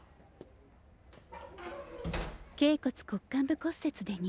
脛骨骨幹部骨折で入院。